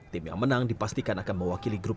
tim yang menang dipastikan akan mewakili grup